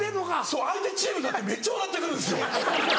そう相手チームめっちゃ笑って来るんですよ。